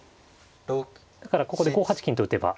だからここで５八金と打てば。